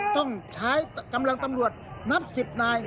ต้องใช้กำลังตำรวจนับ๑๐นาย